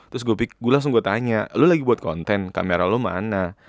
terus gue langsung gue tanya lu lagi buat konten kamera lu mana